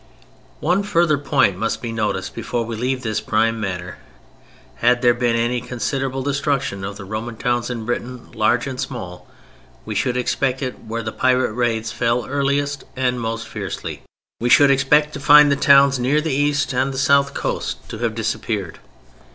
One further point must be noticed before we leave this prime matter: had there been any considerable destruction of the Roman towns in Britain, large and small, we should expect it where the pirate raids fell earliest and most fiercely. We should expect to find the towns near the east and the south coast to have disappeared.